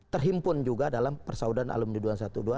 terhimpun juga dalam persaudan aluminium dua ratus dua belas